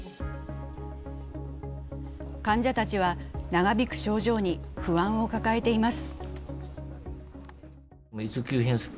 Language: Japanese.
患者たちは長引く症状に不安を抱えています。